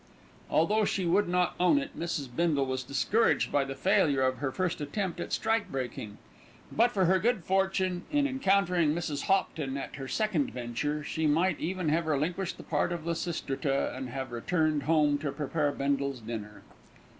Although she would not own it, Mrs. Bindle was discouraged by the failure of her first attempt at strike breaking. But for her good fortune in encountering Mrs. Hopton at her second venture, she might even have relinquished the part of Lysistrata and have returned home to prepare Bindle's dinner.